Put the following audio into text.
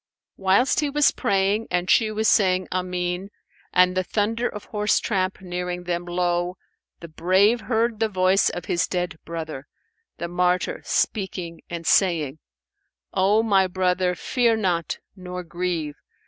Whilst he was praying and she was saying, "Amen," and the thunder of horse tramp nearing them, lo! the brave heard the voice of his dead brother, the martyr, speaking and saying, "O my brother, fear not, nor grieve!